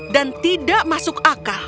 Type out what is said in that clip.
dan tidak masuk akal